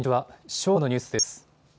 正午のニュースです。